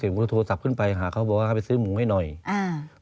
ผมก็โทรศัพท์ขึ้นไปหาเขาบอกว่าให้ไปซื้อหมูให้หน่อยอ่า